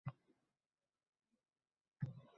Bu yo‘l bo‘ylab qancha nozaninlar uchramadi